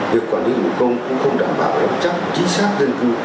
việc quản lý thủ công cũng không đảm bảo chắc chính xác dân cư